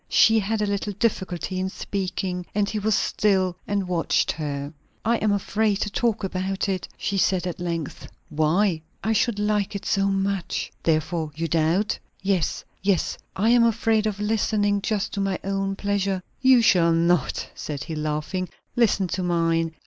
She had a little difficulty in speaking, and he was still and watched her. "I am afraid to talk about it," she said at length, "Why?" "I should like it so much!" "Therefore you doubt?" "Yes. I am afraid of listening just to my own pleasure." "You shall not," said he, laughing. "Listen to mine.